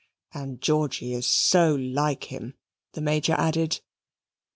"And Georgy is so like him," the Major added.